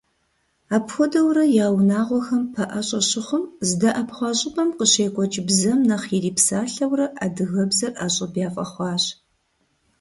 Апхуэдэурэ я унагъуэхэм пэӀэщӀэ щыхъум, здэӀэпхъуа щӀыпӀэм къыщекӀуэкӀ бзэм нэхъ ирипсалъэурэ, адыгэбзэр ӀэщӀыб яфӀэхъуащ.